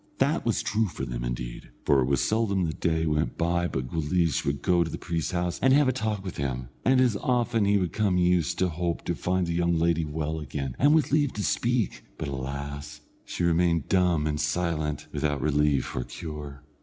That was true for them, indeed, for it was seldom the day went by but Guleesh would go to the priest's house, and have a talk with him, and as often as he would come he used to hope to find the young lady well again, and with leave to speak; but, alas! she remained dumb and silent, without relief or cure.